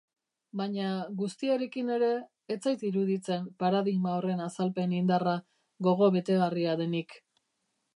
Baina, guztiarekin ere, ez zait iruditzen paradigma horren azalpen-indarra gogobetegarria denik.